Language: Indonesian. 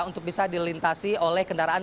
untuk bisa dilintasi oleh kendaraan